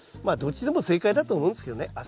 まあどっちでも正解だと思うんですけどね。